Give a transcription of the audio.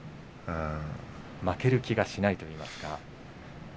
負ける気がしないという感じですか。